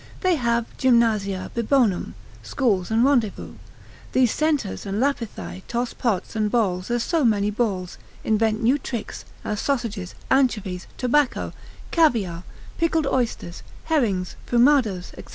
They have gymnasia bibonum, schools and rendezvous; these centaurs and Lapithae toss pots and bowls as so many balls; invent new tricks, as sausages, anchovies, tobacco, caviar, pickled oysters, herrings, fumados, &c.